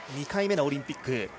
２回目のオリンピック。